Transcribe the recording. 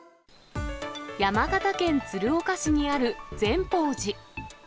山形県鶴岡市にある善宝寺。